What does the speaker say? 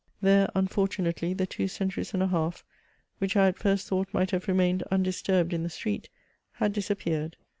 There, unfortunately, the two cen turies and a half, which I at first thought might have remained undisturbed in the street, had disappeared.